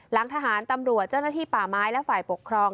หลังทหารตำรวจเจ้าหน้าที่ป่าไม้และฝ่ายปกครอง